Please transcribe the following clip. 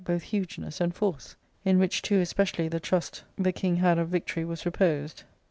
165 both hugeness and force ; in which two especially the trust the king had of victory was reposed.